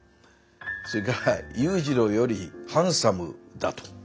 それから「裕次郎よりハンサムだ」と。